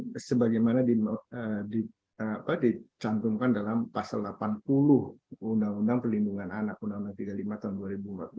dan sebagaimana dicangkulkan dalam pasal delapan puluh undang undang pelindungan anak